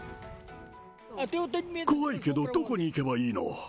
怖いけど、どこに行けばいいの？